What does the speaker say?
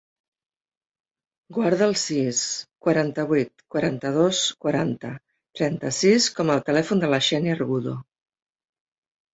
Guarda el sis, quaranta-vuit, quaranta-dos, quaranta, trenta-sis com a telèfon de la Xènia Argudo.